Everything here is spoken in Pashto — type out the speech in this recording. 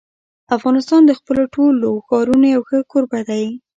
افغانستان د خپلو ټولو ښارونو یو ښه کوربه دی.